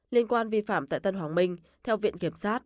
liên quan vi phạm tại tân hoàng minh theo viện kiểm sát